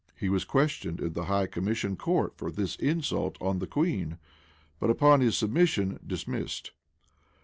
He was questioned in the high commission court for this insult on the queen; but, upon his submission, dismissed.